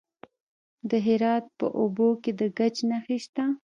د هرات په اوبې کې د ګچ نښې شته.